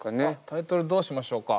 タイトルどうしましょうか。